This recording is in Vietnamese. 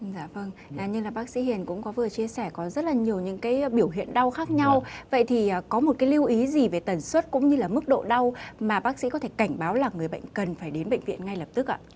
như là bác sĩ hiền cũng có vừa chia sẻ có rất là nhiều những cái biểu hiện đau khác nhau vậy thì có một cái lưu ý gì về tần suất cũng như là mức độ đau mà bác sĩ có thể cảnh báo là người bệnh cần phải đến bệnh viện ngay lập tức ạ